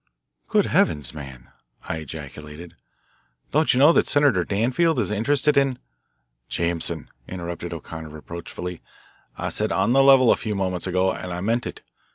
"Good heavens, man," I ejaculated, "don't you know that Senator Danfield is interested in " "Jameson," interrupted O'Connor reproachfully, "I said 'on the level' a few moments ago, and I meant it.